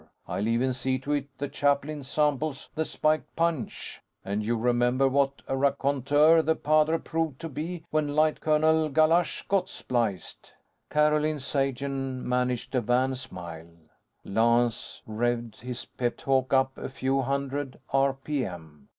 I'll even see to it, the chaplain samples the spiked punch. And you remember what a raconteur the padre proved to be when Light Colonel Galache got spliced?" Carolyn Sagen managed a wan smile. Lance revved his pep talk up a few hundred r.p.m.